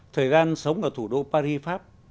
thời gian sống ở thủ đô paris pháp